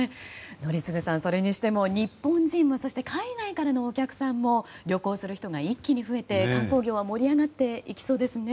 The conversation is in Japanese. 宜嗣さん、それにしても日本人そして海外からのお客さんも旅行する人が一気に増えて観光業は盛り上がっていきそうですね。